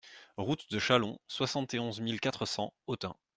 Route de Châlon, soixante et onze mille quatre cents Autun